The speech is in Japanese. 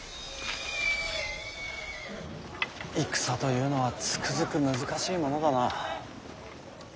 戦というのはつくづく難しいものだな。